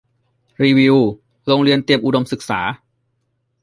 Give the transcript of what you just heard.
รีวิวโรงเรียนเตรียมอุดมศึกษา